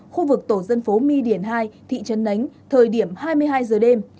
khu vực tổ dân phố my điển hai thị trấn nánh thời điểm hai mươi hai giờ đêm